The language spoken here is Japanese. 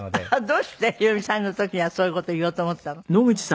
どうして宏美さんの時にはそういう事を言おうと思ったの？